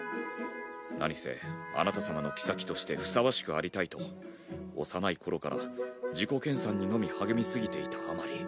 何せあなた様の妃としてふさわしくありたいと幼い頃から自己研鑽にのみ励み過ぎていたあまり。